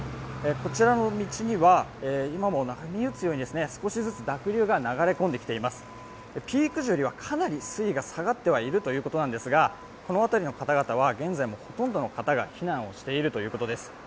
こちらの道には、今も波打つように少しずつ濁流が流れ込んできています。ピーク時よりはかなり水位が下がっているということですがこの辺りの方々は現在もほとんどの方が避難をしているということです。